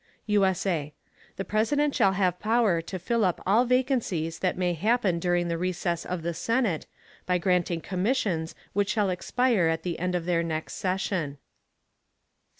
_ [USA] The President shall have Power to fill up all Vacancies that may happen during the Recess of the Senate, by granting Commissions which shall expire at the End of their next Session.